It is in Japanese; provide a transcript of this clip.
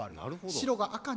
白が赤？